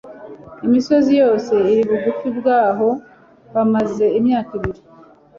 misozi yose iri bugufi bwaho bamaze imyaka ibiri